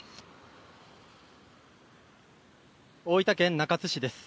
大分県中津市です。